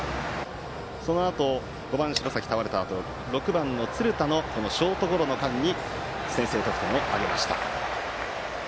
そのあと５番の白崎が倒れたあと６番、鶴田のショートゴロの間に先制得点を挙げました。